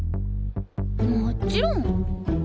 もちろん。